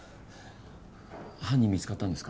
犯人見つかったんですか？